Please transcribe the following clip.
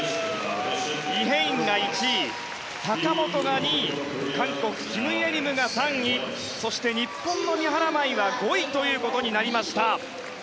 イ・ヘインが１位坂本が２位韓国、キム・イェリムが３位そして日本の三原舞依は５位となりました。